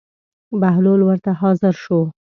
بهلول ورته حاضر شو.